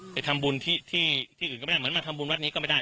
ไปทำบุญที่อื่นก็ไม่ได้เหมือนมาทำบุญวัดนี้ก็ไม่ได้